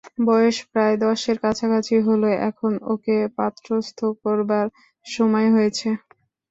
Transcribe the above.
বয়স প্রায় দশের কাছাকাছি হল, এখন ওকে পাত্রস্থ করবার সময় হয়েছে।